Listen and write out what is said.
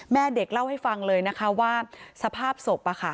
แม่เด็กเล่าให้ฟังเลยนะคะว่าสภาพศพ